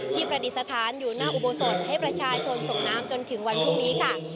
ประดิษฐานอยู่หน้าอุโบสถให้ประชาชนส่งน้ำจนถึงวันพรุ่งนี้ค่ะ